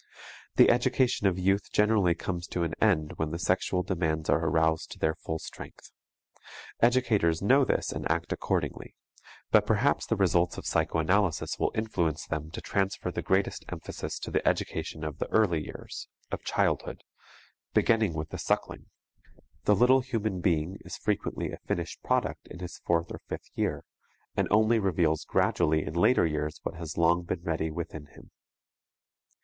The education of youth generally comes to an end when the sexual demands are aroused to their full strength. Educators know this and act accordingly; but perhaps the results of psychoanalysis will influence them to transfer the greatest emphasis to the education of the early years, of childhood, beginning with the suckling. The little human being is frequently a finished product in his fourth or fifth year, and only reveals gradually in later years what has long been ready within him.